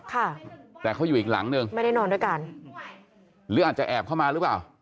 ค่ะแต่เขาอยู่อีกหลังนึงไม่ได้นอนด้วยกันหรืออาจจะแอบเข้ามาหรือเปล่า